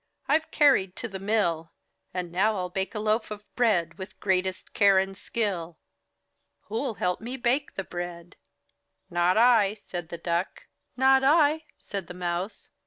I've carried to the mill, And now I'll bake a loaf of bread, With greatest care and skill. Who'll help me bake the bread?" 62 IN THE NURSERY "Not I," said the Duck. "Not I," said the Mouse.